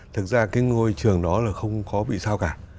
thực ra cái ngôi trường đó là không khó bị sao cả